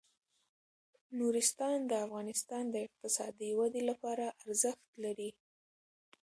نورستان د افغانستان د اقتصادي ودې لپاره ارزښت لري.